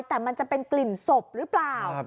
แต่มันจะเป็นกลิ่นศพหรือเปล่า